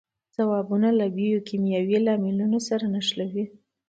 ځوابونه له بیوکیمیاوي لاملونو سره نښلوي.